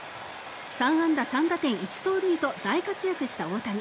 ３安打３打点１盗塁と大活躍した大谷。